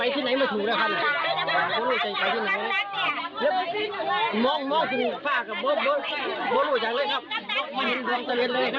คุณรู้สึกอีกอย่างไงบ้างครับครับพี่เนี่ยต้องทำได้ที่เจอแล้ว